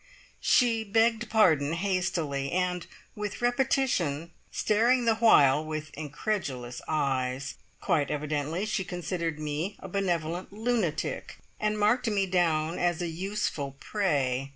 She "begged pardon" hastily, and with repetition, staring the while with incredulous eyes. Quite evidently she considered me a benevolent lunatic, and marked me down as a useful prey.